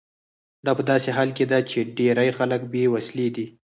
دا په داسې حال کې ده چې ډیری خلک بې وسیلې دي.